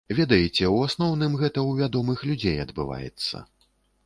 Ведаеце, у асноўным, гэта ў вядомых людзей адбываецца.